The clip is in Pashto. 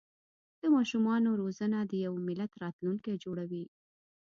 د ماشومانو روزنه د یو ملت راتلونکی جوړوي.